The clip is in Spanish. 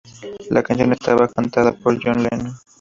La canción estaba cantada por John Lennon.